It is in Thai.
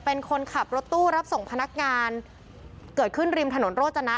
เป็นคนขับรถตู้รับส่งพนักงานเกิดขึ้นริมถนนโรจนะ